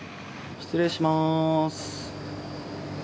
失礼します。